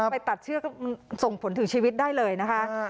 ไปตัดเชือกก็ส่งผลถึงชีวิตได้เลยนะคะ